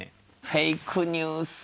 フェイクニュース